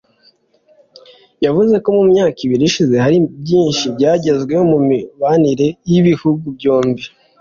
yavuze ko mu myaka ibiri ishize hari byinshi byagezweho mu mibanire y’ibihugu byombi